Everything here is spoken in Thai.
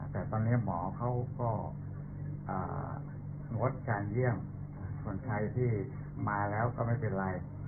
แต่ตอนนี้หมอเขาก็งดการเยี่ยมคนไทยที่มาแล้วก็ไม่เป็นไร